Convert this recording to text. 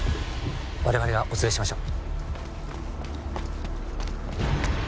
我々がお連れしましょう。